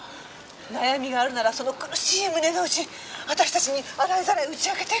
悩みがあるならその苦しい胸の内私たちに洗いざらい打ち明けて。